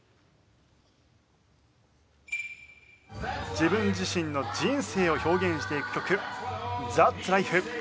自分自身の人生を表現していく曲『Ｔｈａｔ’ｓＬｉｆｅ』。